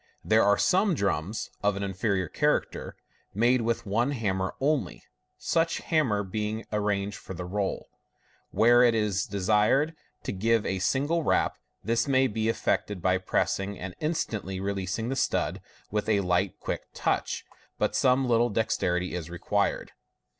There are some drums (of an inferior character) made with one hammer only ; such hammer being arranged for the roll. Where it ia desired to give a single rap, this may be effected by pressing and MODERN MAGIC. 493 instantly releasing the stud with a light, quick touch j but some little dexterity is required.